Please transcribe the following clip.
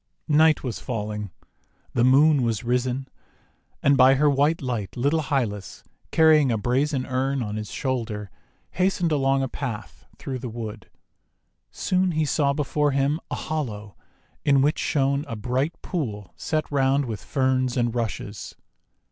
Night was falling. The Moon was risen, and by her white light little Hylas, carrying a brazen urn on his shoulder, hastened along a path through the wood. Soon he saw before him a hollow in which shone a bright pool set round with Ferns and Rushes.